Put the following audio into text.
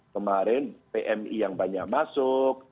kemarin pmi yang banyak masuk